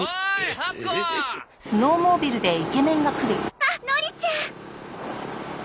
あっのりちゃん！